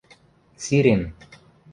Сирем.